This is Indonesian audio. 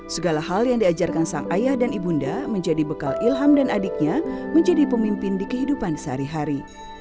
segala hal yang diajarkan sang ayah dan ibunda menjadi bekal ilham dan adiknya menjadi pemimpin di kehidupan sehari hari